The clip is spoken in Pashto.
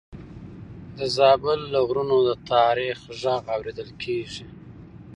د زابل له غرونو د تاریخ غږ اورېدل کېږي.